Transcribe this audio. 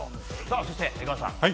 そして、江川さん